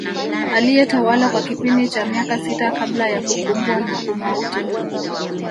Aliyetawala kwa kipindi cha miaka sita kabla ya kukumbwa na umauti